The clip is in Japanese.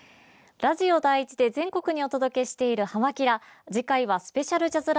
ラジオ第１で全国にお届けしている「はま☆キラ！」。